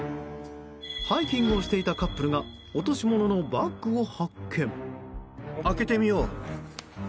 ハイキングをしていたカップルが落とし物のバッグを発見。